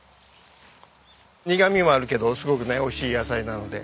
苦みもあるけどすごくねおいしい野菜なので。